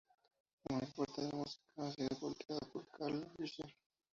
La mayor parte de su música ha sido publicada por Carl Fischer.